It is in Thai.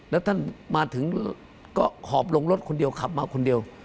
แล้วท่านมาถึงก็หอบลงรถคนเดียวขับมาคนเดียว